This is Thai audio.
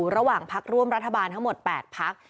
ระหว่างพักร่วมรัฐบาลทั้งหมด๘พัก